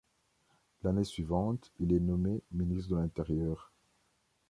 L'année suivante, il est nommé ministre de l'Intérieur.